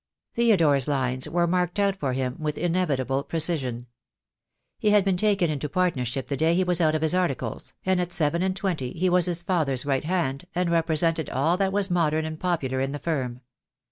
Theodore's lines were marked out for him with in evitable precision. He had been taken into partnership the day he was out of his articles, and at seven and twenty he was his father's right hand, and represented all that was modern and popular in the firm.